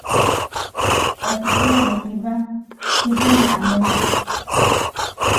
Ta chukula be jiba... jiba ne amemak...